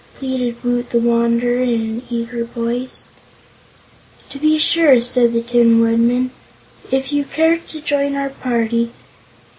pleaded Woot the Wanderer in an eager voice. "To be sure," said the Tin Woodman, "if you care to join our party.